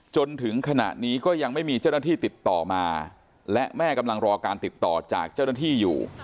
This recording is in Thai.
จนถึงขณะนี้ก็ยังไม่มีเจ้าหน้าที่ติดต่อมาและแม่กำลังรอการติดต่อจากเจ้าหน้าที่อยู่